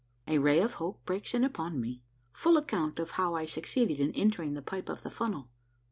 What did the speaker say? — A RAY OF HOPE BREAKS IN UPON ME. — FULL ACCOUNT OF HOAY I SUCCEEDED IN ENTERING THE PIPE OF THE FUNNEL.